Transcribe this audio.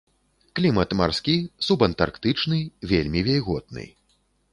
Клімат марскі субантарктычны, вельмі вільготны.